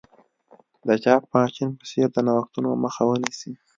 د چاپ ماشین په څېر د نوښتونو مخه ونیسي.